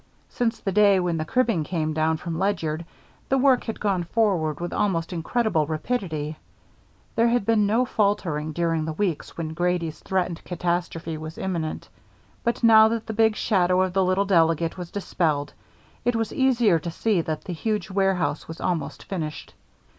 Since the day when the cribbing came down from Ledyard, the work had gone forward with almost incredible rapidity; there had been no faltering during the weeks when Grady's threatened catastrophe was imminent, but now that the big shadow of the little delegate was dispelled, it was easier to see that the huge warehouse was almost finished.